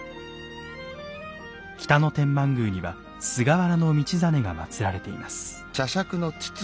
北野天満宮には菅原道真がまつられています。